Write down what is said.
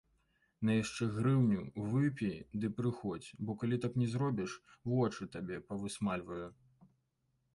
На яшчэ грыўню, выпі ды прыходзь, бо калі так не зробіш, вочы табе павысмальваю.